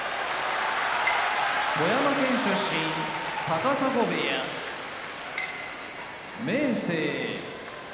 富山県出身高砂部屋明生